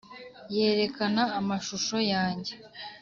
yerekana amashusho yanjye.